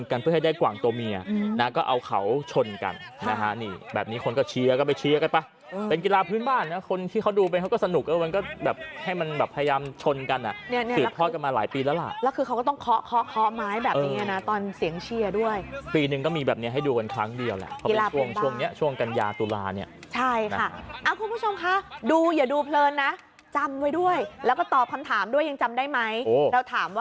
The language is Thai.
เชียร์ก็ไปเชียร์กันป่ะอืมเป็นกีฬาพื้นบ้านนะคนที่เขาดูไปเขาก็สนุกอ่ะมันก็แบบให้มันแบบพยายามชนกันอ่ะเนี้ยเนี้ยสืบพ่อกันมาหลายปีแล้วล่ะแล้วคือเขาก็ต้องเคาะเคาะเคาะไม้แบบเนี้ยน่ะตอนเสียงเชียร์ด้วยปีหนึ่งก็มีแบบเนี้ยให้ดูกันครั้งเดียวแหละกีฬาพื้นบ้านเขาไปช่ว